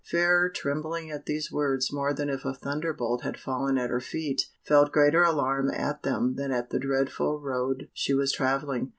Fairer, trembling at these words more than if a thunderbolt had fallen at her feet, felt greater alarm at them than at the dreadful road she was travelling.